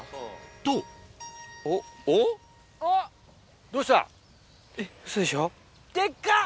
とどうした？